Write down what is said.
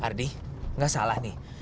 ardi gak salah nih